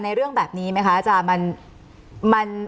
เรื่องแบบนี้ไหมคะอาจารย์